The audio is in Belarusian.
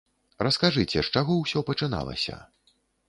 Раскажыце, з чаго ўсё пачыналася?